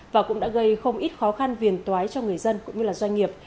và cũng đã gây không ít khó khăn viền tói cho người dân cũng như doanh nghiệp